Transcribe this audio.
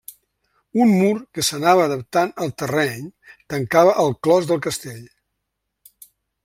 Un mur que s'anava adaptant al terreny tancava el clos del castell.